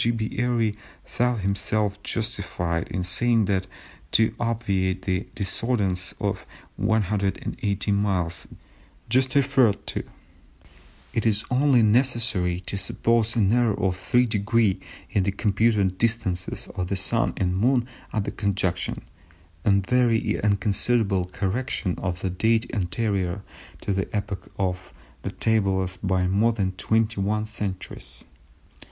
B. Airy thought himself justified in saying that to obviate the discordance of 180 miles just referred to "it is only necessary to suppose an error of 3′ in the computed distances of the Sun and Moon at conjunction, a very inconsiderable correction for a date anterior to the epoch of the tables by more than twenty one centuries."